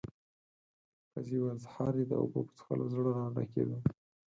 ښځې وويل: سهار دې د اوبو په څښلو زړه راډکېده.